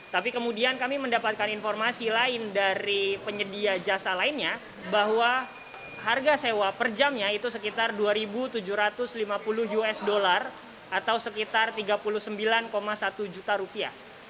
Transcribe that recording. tapi kemudian kami mendapatkan informasi lain dari penyedia jasa lainnya bahwa harga sewa per jamnya itu sekitar dua tujuh ratus lima puluh usd atau sekitar tiga puluh sembilan satu juta rupiah